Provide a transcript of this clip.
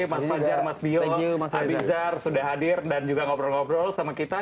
mas fajar mas bio abizar sudah hadir dan juga ngobrol ngobrol sama kita